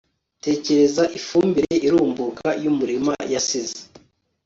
Tekereza ifumbire irumbuka yumurima yasize